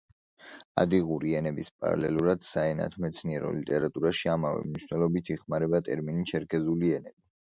ადიღური ენების პარალელურად საენათმეცნიერო ლიტერატურაში ამავე მნიშვნელობით იხმარება ტერმინი „ჩერქეზული ენები“.